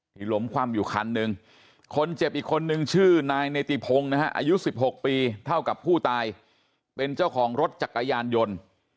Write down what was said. ล้มคว่ำอยู่คันหนึ่งคนเจ็บอีกคนนึงชื่อนายเนติพงศ์นะฮะอายุ๑๖ปีเท่ากับผู้ตายเป็นเจ้าของรถจักรยานยนต์